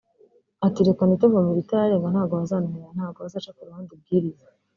Ati ”Reka ntituvume iritararenga ntabwo bazananirana ntabwo bazaca ku ruhande ibwiriza